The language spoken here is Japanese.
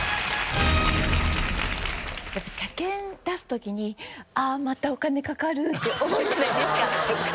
やっぱ車検出す時に「ああまたお金かかる」って思うじゃないですか。